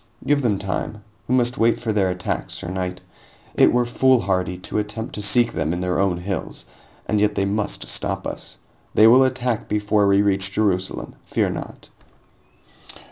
"Give them time. We must wait for their attack, sir knight. It were foolhardy to attempt to seek them in their own hills, and yet they must stop us. They will attack before we reach Jerusalem, fear not."